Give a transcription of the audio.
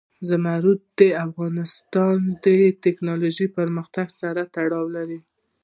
زمرد د افغانستان د تکنالوژۍ پرمختګ سره تړاو لري.